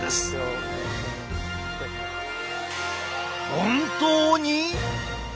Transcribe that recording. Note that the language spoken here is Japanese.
本当に？